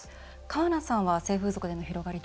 川名さんは性風俗での広がり